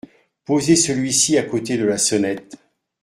Posez celui-ci à côté de la sonnette.